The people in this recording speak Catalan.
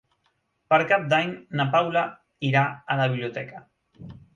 Per Cap d'Any na Paula irà a la biblioteca.